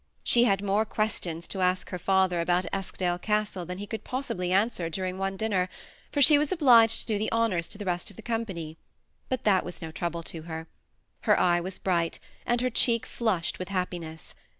She had more questions to ask her father about Eskdale Castle than he could possibly answer during one dixmer, for she was obliged to do the honors to the rest of the company ; but that was no trouble to her. Her eye was bright, and her cheek flushed with happiness.